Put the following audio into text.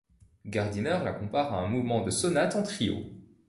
Gardiner la compare à un mouvement de sonate en trio.